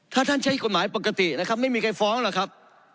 ถ้าท่านใช้กฎหมายปกตินะครับไม่มีใครฟ้องหรอกครับ